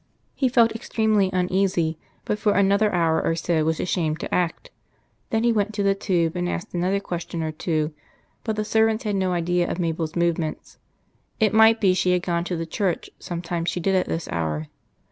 He felt extremely uneasy, but for another hour or so was ashamed to act. Then he went to the tube and asked another question or two, but the servant had no idea of Mabel's movements; it might be she had gone to the church; sometimes she did at this hour.